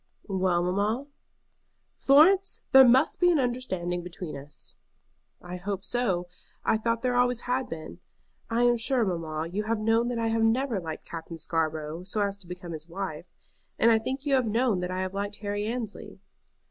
"Well, mamma?" "Florence, there must be an understanding between us." "I hope so. I thought there always had been. I am sure, mamma, you have known that I have never liked Captain Scarborough so as to become his wife, and I think you have known that I have liked Harry Annesley."